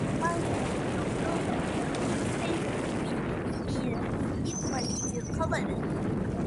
Once it stopped, the lit space would be revealed if it was still covered.